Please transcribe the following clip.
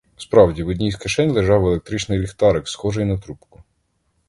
Справді, в одній з кишень лежав електричний ліхтарик, схожий на трубку.